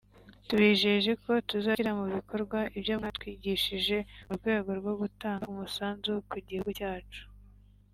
… tubijeje ko tuzashyira mu bikorwa ibyo mwatwigishije mu rwego rwo gutanga umusanzu ku gihugu cyacu